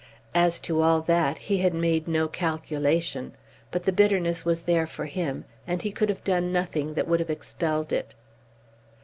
As to all that, he had made no calculation; but the bitterness was there for him, and he could have done nothing that would have expelled it.